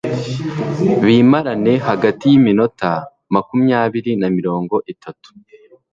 Bimarane hagati y'iminota makumyabiri na mirongo itatu